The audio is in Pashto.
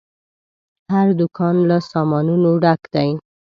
هر دوکان له سامانونو ډک دی.